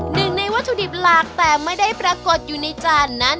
หนึ่งในวัตถุดิบหลักแต่ไม่ได้ปรากฏอยู่ในจานนั้น